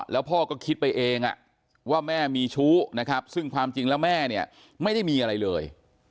แล้วพ่อก็คิดไปเองว่าแม่มีชู้นะครับซึ่งความจริงแล้วแม่เนี่ยไม่ได้มีอะไรเลย